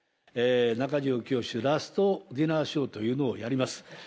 中条きよしラストディナーショーというのをやります。